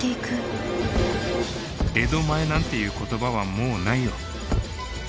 江戸前なんていう言葉はもうないよ。